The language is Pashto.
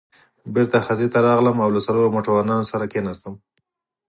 بېرته خزې ته راغلم او له څلورو موټروانانو سره کېناستم.